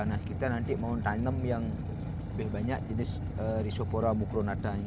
nah kita nanti mau nanem yang lebih banyak jenis risopora mukronata